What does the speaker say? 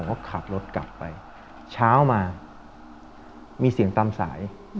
เขาขับรถกลับไปเช้ามามีเสียงตามสาย